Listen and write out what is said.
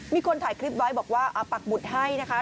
มีคนถ่ายคลิปไว้บอกว่าปักบุตรให้นะคะ